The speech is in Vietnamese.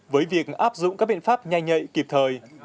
với việc áp dụng các biện pháp nhanh nhạy kịp thời